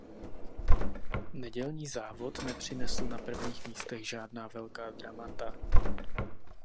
Nedělní závod nepřinesl na prvních místech žádná velká dramata.